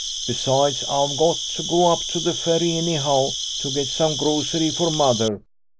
Besides, I've got to go up to the Ferry anyhow, to get some grocery for mother.